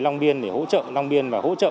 long biên để hỗ trợ long biên và hỗ trợ